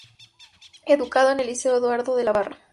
Educado en el Liceo Eduardo de la Barra.